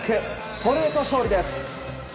ストレート勝利です。